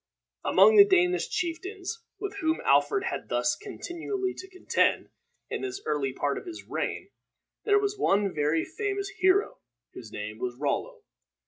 Among the Danish chieftains with whom Alfred had thus continually to contend in this early part of his reign, there was one very famous hero, whose name was Rollo.